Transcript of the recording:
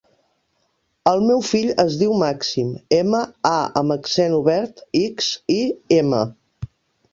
El meu fill es diu Màxim: ema, a amb accent obert, ics, i, ema.